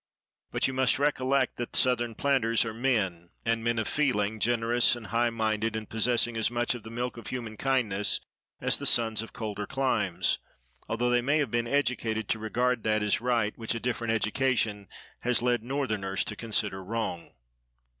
But you must recollect that Southern planters are men, and men of feeling, generous and high minded, and possessing as much of the "milk of human kindness" as the sons of colder climes—although they may have been educated to regard that as right which a different education has led Northerners to consider wrong.